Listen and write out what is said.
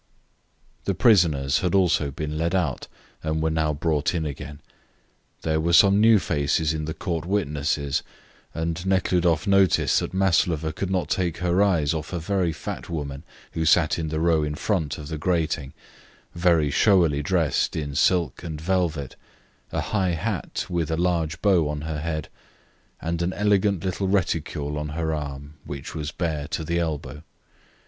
The prisoners had also been led out, and were now brought in again. There were some new faces in the Court witnesses, and Nekhludoff noticed that Maslova could not take her eyes off a very fat woman who sat in the row in front of the grating, very showily dressed in silk and velvet, a high hat with a large bow on her head, and an elegant little reticule on her arm, which was bare to the elbow.